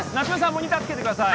モニターつけてください